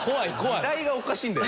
時代がおかしいんだよ。